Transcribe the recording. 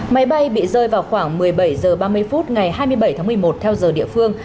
máy bay bị rơi vào khoảng một mươi bảy h ba mươi phút ngày hai mươi bảy tháng một mươi một theo giờ địa phương